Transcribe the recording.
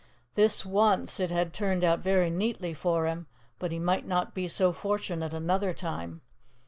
This once, it had turned out very neatly for him, but he might not be so fortunate another time.